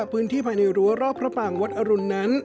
พื้นที่ภายในรั้วรอบพระปางวัดอรุณนั้น